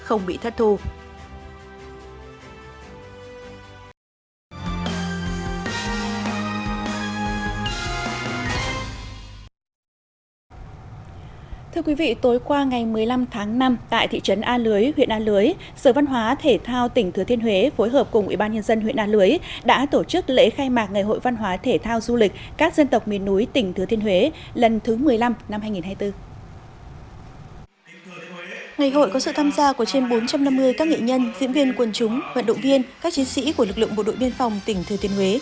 hội có sự tham gia của trên bốn trăm năm mươi các nghệ nhân diễn viên quân chúng vận động viên các chiến sĩ của lực lượng bộ đội biên phòng tỉnh thừa tiên huế